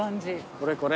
これこれ。